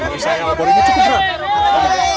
bisa ya obor ini cukup berat